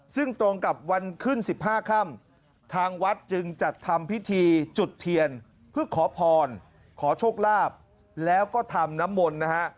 ซึ่งตรงกับวันขึ้น๑๕ค่ำทางวัดจึงจัดทำพิธีจุดเทียนเพื่อขอพรขอโชคลาภแล้วก็ทำน้ำมนต์นะฮะ